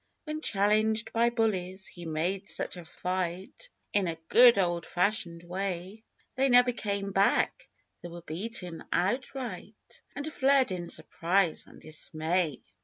When challenged by "bullies" he made nich a fight, In a good old fashioned way, 28 LIFE WAVES They never came back, they were beaten outright. And fled in surprise and dismay.